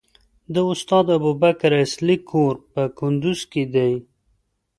د استاد ابوبکر اصولي کور په کندوز کې دی.